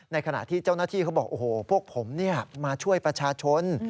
ขณะที่เจ้าหน้าที่เขาบอกโอ้โหพวกผมมาช่วยประชาชน